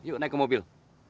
yuk naik ke mobil